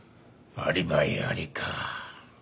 アリバイありか。